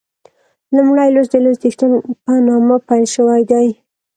لومړی لوست د لوی څښتن په نامه پیل شوی دی.